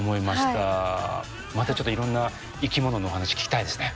またちょっといろんな生きもののお話聞きたいですね。